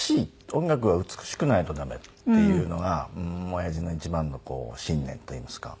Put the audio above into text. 音楽は美しくないとダメっていうのがおやじの一番の信念といいますか。